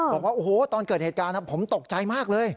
บอกว่าโอ้โหตอนเกิดเหตุการณ์ผมตกใจมากเลย